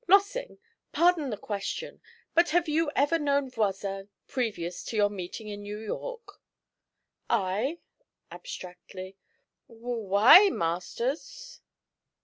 'Lossing, pardon the question, but have you ever known Voisin previous to your meeting in New York?' 'I?' abstractedly. 'W why, Masters?'